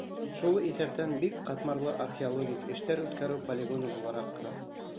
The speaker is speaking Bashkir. Шул иҫәптән бик ҡатмарлы археологик эштәр үткәреү полигоны булараҡ та.